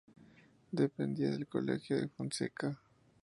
Dependía del Colegio de Fonseca.